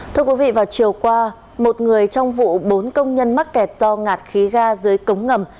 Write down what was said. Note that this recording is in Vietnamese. thưa quý vị vào chiều qua một người trong vụ bốn công nhân mắc kẹt do ngạt khí ga dưới cống ngầm